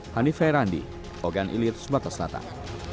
hanifah randi ogan ilir sumatera selatan